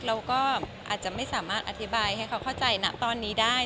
เราก็อาจจะไม่สามารถอธิบายให้เขาเข้าใจนะตอนนี้ได้